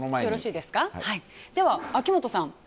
では、秋元さん。